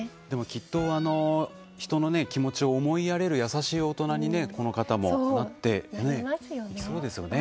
きっと、人の気持ちを思いやれる優しい大人にこの方もなっていきそうですよね。